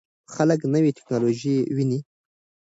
خلک نوې ټکنالوژي ویني.